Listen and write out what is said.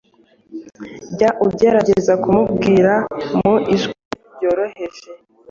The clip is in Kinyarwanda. jya ugerageza kumubwira mu ijwi ryoroheje